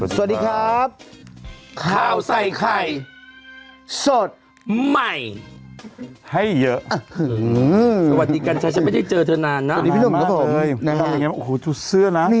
สวัสดีครับข้าวใส่ไข่สดใหม่ให้เยอะอืม